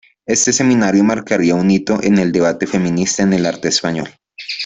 Este seminario marcaría un hito en el debate feminista en el arte español.